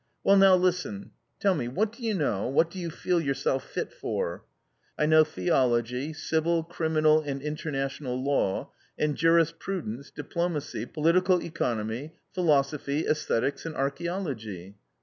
Well, now listen. Tell me, what do you know, what do you feel yourself fit for ?"" I know theology, civil, criminal, and international law, and jurisprudence, diplomacy, political economy, philosophy, aesthetics and archaeology."